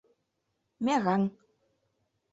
МЕРАҤ